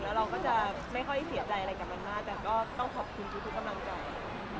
แล้วเราก็จะไม่ค่อยเสียใจอะไรกับมันมากแต่ก็ต้องขอบคุณทุกกำลังใจ